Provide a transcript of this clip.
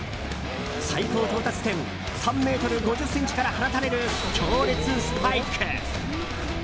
最高到達点３ｍ５０ｃｍから放たれる、強烈スパイク。